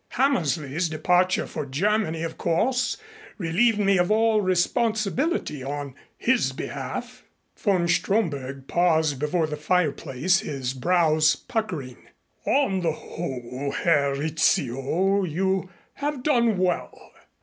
Hammersley's departure for Germany, of course, relieved me of all responsibility on his behalf." Von Stromberg paused before the fireplace, his brows puckering. "On the whole, Herr Rizzio, you have done well.